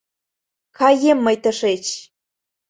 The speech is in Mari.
Каем мый тышеч!